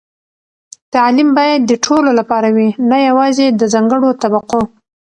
تعلیم باید د ټولو لپاره وي، نه یوازې د ځانګړو طبقو.